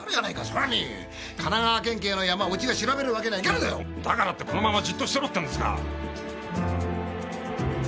それに神奈川県警のヤマをうちが調べるわけにはいかぬだろうだからってこのままじっとしてろっていうんですか？